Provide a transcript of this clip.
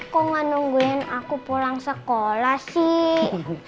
kok gak nungguin aku pulang sekolah sih